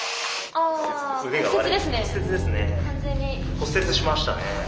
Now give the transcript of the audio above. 骨折しましたね。